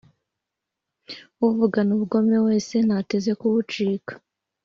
Uvugana ubugome wese ntateze kuwucika,